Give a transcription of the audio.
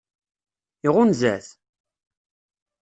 Iɣunza-t?